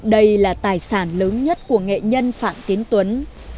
đây là tài sản lớn nhất của nghệ nhân phạm tiến tuấn